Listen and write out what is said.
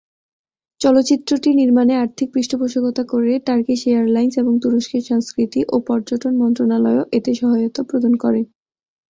চলচ্চিত্রটি নির্মাণে আর্থিক পৃষ্ঠপোষকতা করে টার্কিশ এয়ারলাইন্স, এবং তুরস্কের সংস্কৃতি ও পর্যটন মন্ত্রণালয়-ও এতে সহায়তা প্রদান করে।